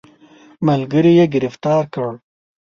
ملګري یې ګرفتار کړ.